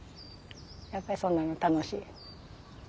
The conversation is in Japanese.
やっぱりそんなんが楽しい。